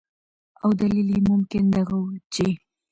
او دلیل یې ممکن دغه ؤ چې